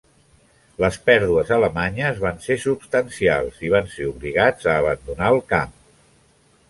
Les pèrdues alemanyes van ser substancials i van ser obligats a abandonar el camp.